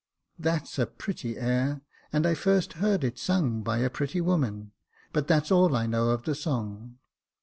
That's a pretty air, and I first heard it sung by a pretty woman ; but that's all I know of the song.